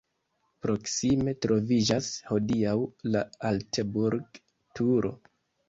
Proksime troviĝas hodiaŭ la Alteburg-turo.